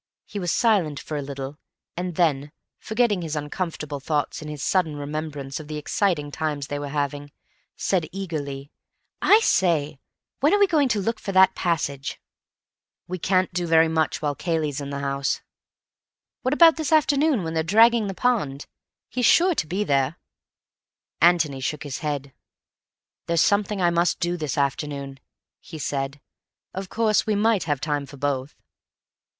He was silent for a little, and then, forgetting his uncomfortable thoughts in his sudden remembrance of the exciting times they were having, said eagerly, "I say, when are we going to look for that passage?" "We can't do very much while Cayley's in the house." "What about this afternoon when they're dragging the pond? He's sure to be there." Antony shook his head. "There's something I must do this afternoon," he said. "Of course we might have time for both."